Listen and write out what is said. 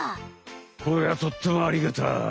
これはとってもありがたい！